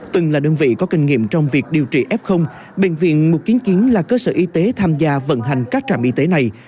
từng là đơn vị có kinh nghiệm trong việc điều trị f bệnh viện một trăm chín là cơ sở y tế tham gia vận hành các trạm y tế này